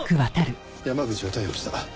山口は逮捕した。